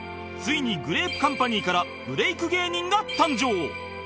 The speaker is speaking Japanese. ついにグレープカンパニーからブレイク芸人が誕生